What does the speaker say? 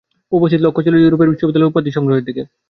উপস্থিত লক্ষ ছিল য়ুরোপীয় বিশ্ববিদ্যালয়ের উপাধি-সংগ্রহের দিকে।